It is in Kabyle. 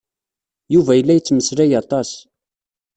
Yuba yella yettmeslay aṭas.